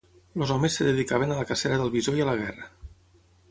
Els homes es dedicaven a la cacera del bisó i a la guerra.